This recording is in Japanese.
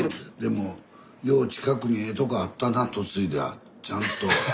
でもよう近くにええとこあったな嫁いだちゃんと。